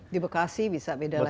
di bekasi bisa beda lagi